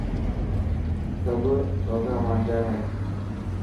سب وڳا مانجا هي.